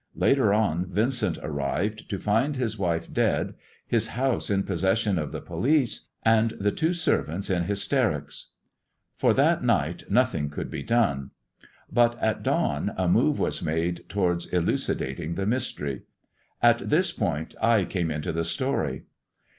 Later on Vincent arrived, to find his wife dead, his house in possession of the police, and the two servants in hysterics. THE OREEN STONE ODD AND THE STOCEBBOEEIt 253 E'er that night nothing could be done, but at dawn a move ff^is maiie towards elucidating the mystery. At this point [ come into the etory.